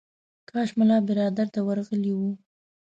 کاش ملا برادر ته ورغلی و.